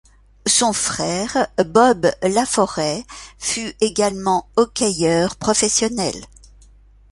Son frère Bob LaForest fut également hockeyeur professionnel.